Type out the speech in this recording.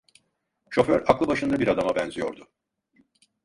Şoför aklı başında bir adama benziyordu.